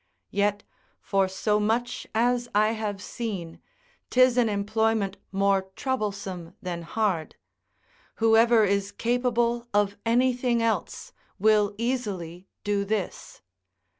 Yet, for so much as I have seen, 'tis an employment more troublesome than hard; whoever is capable of anything else, will easily do this.